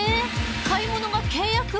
買い物が契約？